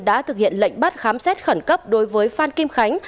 đã thực hiện lệnh bắt khám xét khẩn cấp đối với phan kim khánh